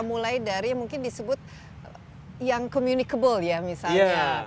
mulai dari mungkin disebut yang communicable ya misalnya